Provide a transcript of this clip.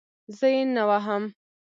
زه یې نه وهم.